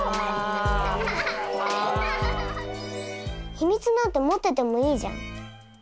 秘密なんて持っててもいいじゃん。